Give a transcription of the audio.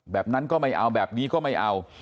แบบนั้นก็ไม่เอาแบบนี้ก็ไม่เอา